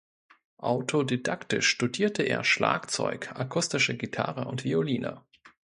Autodidaktisch studierte er Schlagzeug, akustische Gitarre und Violine.